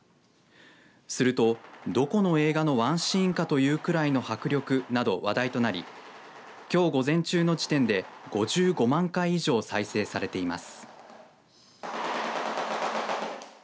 すると、どこの映画のワンシーンかというくらいの迫力など、話題となりきょう午前中の時点で５５万回以上再生されています。